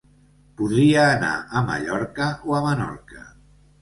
Podria anar a Mallorca o a Menorca.